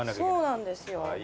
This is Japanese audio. そうなんですよ。